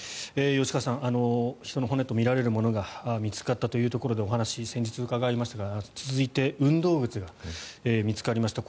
吉川さん人の骨とみられるものが見つかったということでお話、先日伺いましたが続いて運動靴が見つかりました。